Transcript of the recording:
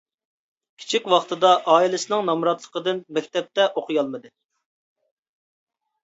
كىچىك ۋاقتىدا ئائىلىسىنىڭ نامراتلىقىدىن مەكتەپتە ئوقۇيالمىدى.